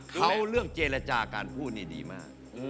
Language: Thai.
เขาเรื่องเจรจาการพูดนี่ดีมาก